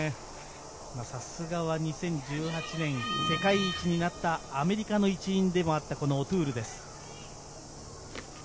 さすがは２０１８年世界一になったアメリカの一員でもあったオトゥールです。